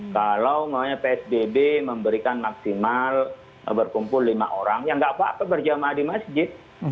kalau psbb memberikan maksimal berkumpul lima orang yang gak apa apa berjamaah di masjid